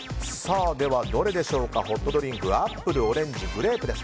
どれでしょうか、ホットドリンクアップル、オレンジグレープです。